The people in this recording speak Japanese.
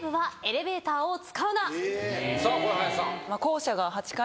さあこれ林さん。